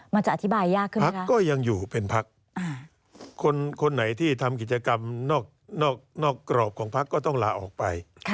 มันจะอธิบายยากขึ้นพักก็ยังอยู่เป็นพักคนไหนที่ทำกิจกรรมนอกกรอบของพักก็ต้องลาออกไป